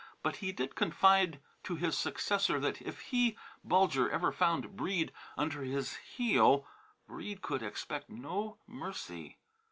But he did confide to his successor that if he, Bulger, ever found Breede under his heel, Breede could expect no mercy.